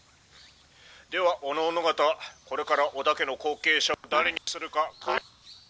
ではおのおの方これから織田家の後継者を誰にするかか」。